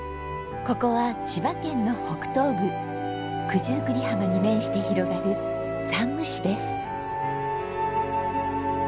ここは千葉県の北東部九十九里浜に面して広がる山武市です。